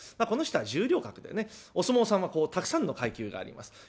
この人は十両格でねお相撲さんはたくさんの階級があります。